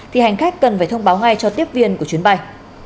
thì hành khách cần phải thông báo ngay cho tiếp viên của chuyến bay